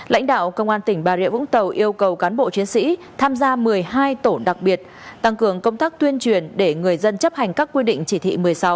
lãnh đạo công an tỉnh bà rịa vũng tàu yêu cầu cán bộ chiến sĩ tham gia một mươi hai tổ đặc biệt tăng cường công tác tuyên truyền để người dân chấp hành các quy định chỉ thị một mươi sáu